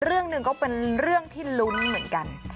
เรื่องหนึ่งก็เป็นเรื่องที่ลุ้นเหมือนกัน